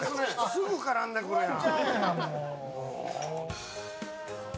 すぐ絡んでくるやん。